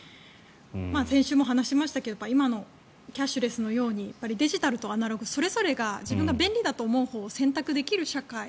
先週も話しましたけど今のキャッシュレスのようにデジタルとアナログそれぞれが自分が便利だと思うほうを選択できる社会。